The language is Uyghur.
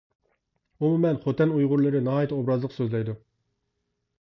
ئومۇمەن خوتەن ئۇيغۇرلىرى ناھايىتى ئوبرازلىق سۆزلەيدۇ.